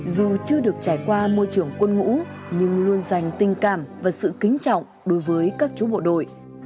dù chưa được trải qua môi trường quân ngũ nhưng luôn dành tình cảm và sự kính trọng đối với các chú bộ đội